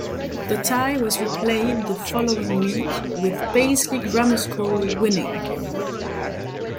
The tie was replayed the following week with Paisley Grammar School winning.